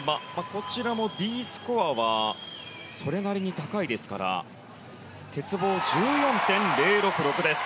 こちらもＤスコアはそれなりに高いですから鉄棒１４．０６６です。